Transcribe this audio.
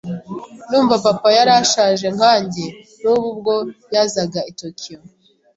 Ndumva papa yari ashaje nkanjye nkubu ubwo yazaga i Tokiyo.